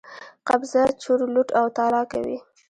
قبضه، چور، لوټ او تالا کوي.